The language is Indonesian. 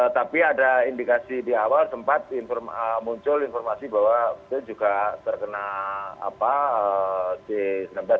tapi ada indikasi di awal sempat muncul informasi bahwa itu juga terkena di jantung